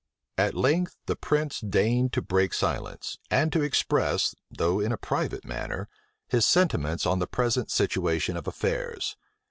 At length the prince deigned to break silence, and to express, though in a private manner, his sentiments on the present situation of affairs.